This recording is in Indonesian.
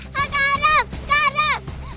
kak aram kak aram